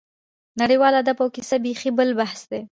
نړیوال ادب او کیسه بېخي بل بحث دی.